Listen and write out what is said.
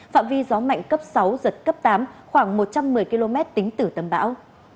phạm vi gió mạnh cấp sáu giật cấp tám khoảng một trăm một mươi km tính từ tâm bão